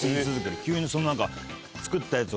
急に何か作ったやつを。